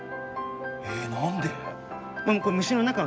ええ何で？